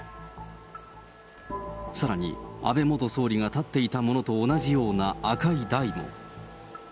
さらに、安倍元総理が立っていたものと同じような赤い台も。